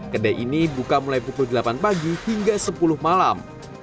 kedai ini buka mulai pukul delapan pagi hingga sepuluh malam